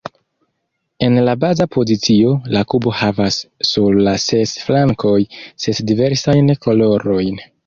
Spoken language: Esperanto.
En la baza pozicio, la kubo havas sur la ses flankoj ses diversajn kolorojn.